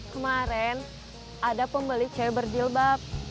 kemaren ada pembeli cewek berdilbab